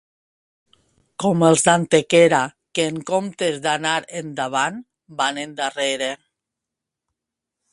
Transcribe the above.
Com els d'Antequera, que en comptes d'anar endavant van endarrere.